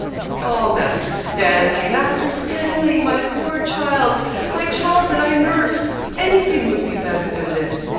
'Oh, Master Stanley, Master Stanley! my poor child my child that I nursed! anything would be better than this.